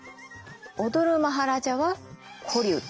「踊るマハラジャ」はコリウッド。